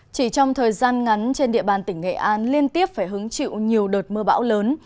chỉ trong thời gian ngắn trên địa bàn tỉnh nghệ an liên tiếp phải hứng chịu nhiều đợt mưa bão lớn